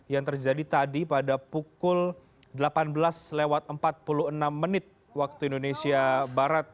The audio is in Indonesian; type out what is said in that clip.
yang terjadi tadi pada pukul delapan belas empat puluh enam wib